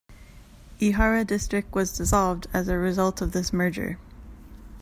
Ihara District was dissolved as a result of this merger.